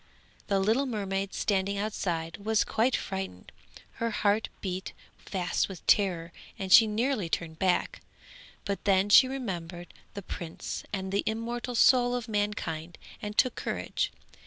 The little mermaid standing outside was quite frightened, her heart beat fast with terror and she nearly turned back, but then she remembered the prince and the immortal soul of mankind and took courage.